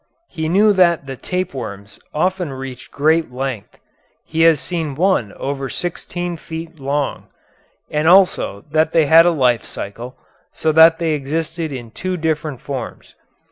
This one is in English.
He knew that the tapeworms often reached great length, he has seen one over sixteen feet long, and also that they had a life cycle, so that they existed in two different forms.